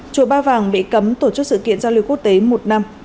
chùa ba vàng bị cấm tổ chức sự kiện giao lưu quốc tế một năm